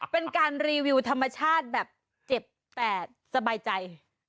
เป็นการรีวิวธรรมชาติแบบเจ็บแต่สบายใจ